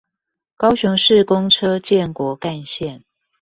高雄市公車建國幹線